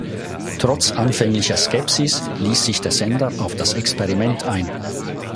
Trotz anfänglicher Skepsis ließ sich der Sender auf das Experiment ein.